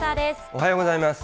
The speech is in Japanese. おはようございます。